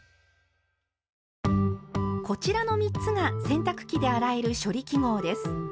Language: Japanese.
こちらの３つが洗濯機で洗える「処理記号」です。